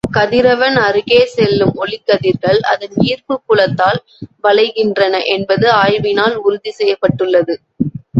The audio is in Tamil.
கதிரவன் அருகே செல்லும் ஒளிக்கதிர்கள் அதன் ஈர்ப்புப் புலத்தால் வளைகின்றன என்பது ஆய்வினால் உறுதி செய்யப்பட்டுள்ளது.